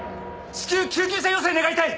至急救急車要請願いたい！